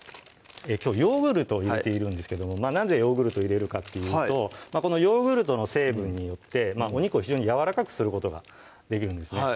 きょうヨーグルトを入れているんですけどもなぜヨーグルトを入れるかっていうとこのヨーグルトの成分によってお肉を非常にやわらかくすることができるんですね